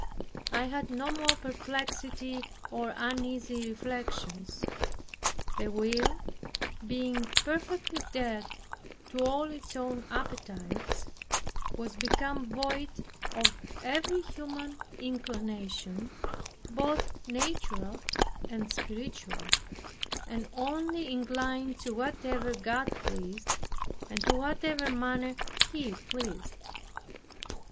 I had no more perplexity or uneasy reflections. The will, being perfectly dead to all its own appetites, was become void of every human inclination, both natural and spiritual, and only inclined to whatever God pleased, and to whatever manner He pleased.